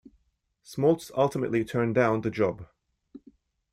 Smaltz ultimately turned down the job.